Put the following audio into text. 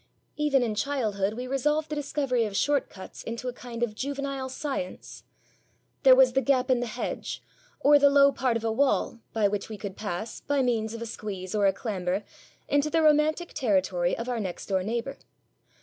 Even in childhood we resolved the discovery of short cuts into a kind of juvenile science. There was the gap in the hedge, or the low part of the wall, by which we could pass, by means of a squeeze or a clamber, into the romantic territory of our next door neighbour.